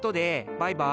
バイバイ！